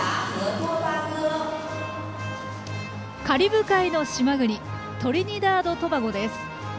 カリブ海の島国トリニダード・トバゴです。